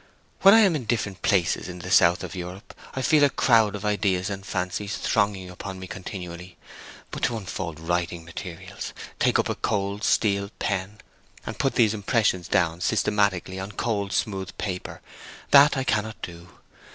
When I am at different places in the south of Europe I feel a crowd of ideas and fancies thronging upon me continually, but to unfold writing materials, take up a cold steel pen, and put these impressions down systematically on cold, smooth paper—that I cannot do.